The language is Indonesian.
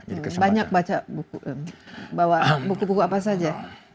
banyak baca buku buku apa saja